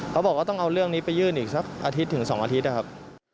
เขาบอกว่าต้องเอาเรื่องนี้ไปยื่นอีกสักอาทิตย์ถึง๒อาทิตย์นะครับ